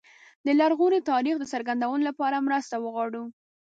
د لرغوني تاریخ د څرګندولو لپاره مرسته وغواړو.